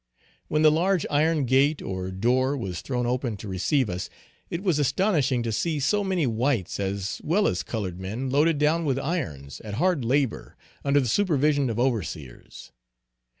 When the large iron gate or door was thrown open to receive us, it was astonishing to see so many whites as well as colored men loaded down with irons, at hard labor, under the supervision of overseers.